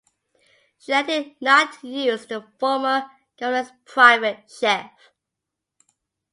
She elected not to use the former governor's private chef.